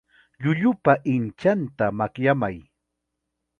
Llullupa inchananta makyamay.